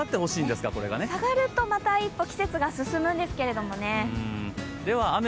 下がるとまた一歩、季節が進むんですけど。